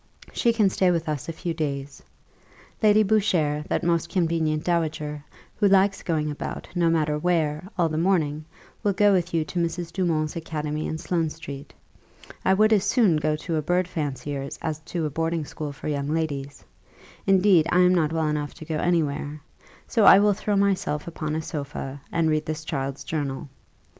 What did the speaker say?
She can stay with us a few days. Lady Boucher, that most convenient dowager, who likes going about, no matter where, all the morning, will go with you to Mrs. Dumont's academy in Sloane street. I would as soon go to a bird fancier's as to a boarding school for young ladies: indeed, I am not well enough to go any where. So I will throw myself upon a sofa, and read this child's journal.